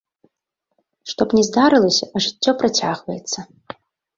Што б ні здарылася, а жыццё працягваецца.